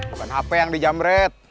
bukan hape yang di jam red